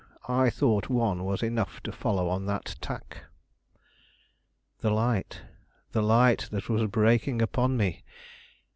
I thought one was enough to follow on that tack." The light, the light that was breaking upon me!